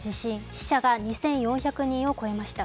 死者が２４００人を超えました。